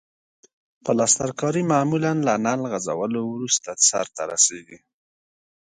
پلسترکاري معمولاً له نل غځولو وروسته سرته رسیږي.